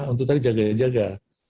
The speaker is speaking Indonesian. untuk tadi jaganya jaga